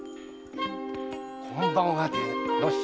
こんばんはでのし。